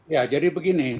ya jadi begini